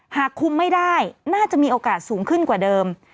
หากคุมไม่ได้น่าจะมีโอกาสสูงขึ้นกว่าเดิม